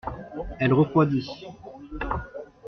Elle refroidit.